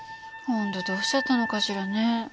本当どうしちゃったのかしらね。